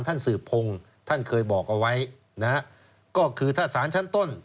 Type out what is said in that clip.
สืบพงศ์ท่านเคยบอกเอาไว้นะฮะก็คือถ้าสารชั้นต้น